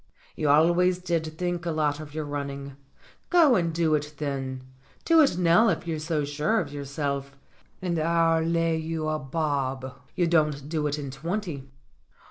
"You always did think a lot of your running. Go and do it then. Do it now if you're so sure of your self, and I'll lay you a bob you don't do it in twenty."